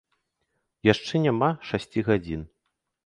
Яшчэ няма шасці гадзін.